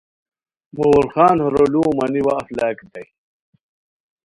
مغل خان ہورو لوؤ مانی ہو اف لاکیتائے